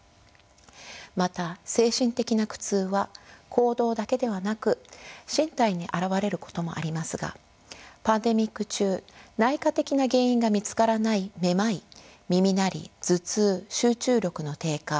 また精神的な苦痛は行動だけではなく身体に表れることもありますがパンデミック中内科的な原因が見つからないめまい耳鳴り頭痛集中力の低下